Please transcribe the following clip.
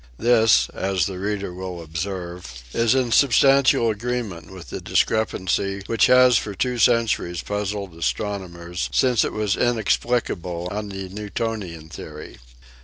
This, as the reader will observe, is in sub THE PRESSURE OF LIGHT 67 stantial agreement with the discrepancy which has for two centuries puzzled astronomers, since it was in explicable on the Newtonian theory.